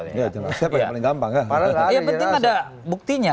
yang penting ada buktinya